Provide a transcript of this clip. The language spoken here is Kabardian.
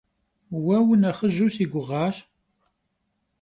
Vue vunexhıju si guğaş.